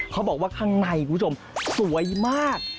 เขาบอกว่าข้างในคุณผู้ชมสวยมาก